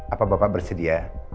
apa bapak bersedia